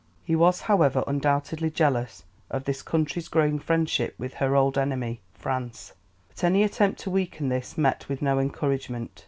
He was, however, undoubtedly jealous of this country's growing friendship with her old enemy, France, but any attempt to weaken this met with no encouragement.